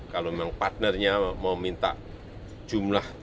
kalau memang partnernya mau minta jumlah